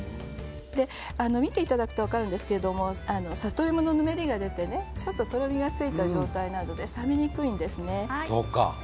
見ていただくと分かるんですけど里芋のぬめりが出てちょっととろみがついた状態なので冷めにくいんですね。